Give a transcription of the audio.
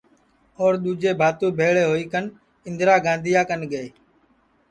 اور دؔوجے بھاتو بھیݪے ہوئی کن اِندرا گاندھیا کن گئے